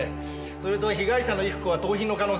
それと被害者の衣服は盗品の可能性が高い。